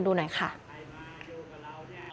ทั้งหมดนี้คือลูกศิษย์ของพ่อปู่เรศรีนะคะ